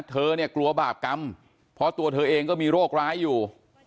เธอเนี่ยกลัวบาปกรรมเพราะตัวเธอเองก็มีโรคร้ายอยู่